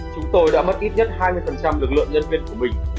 chúng tôi đã mất ít nhất hai mươi lực lượng nhân viên của mình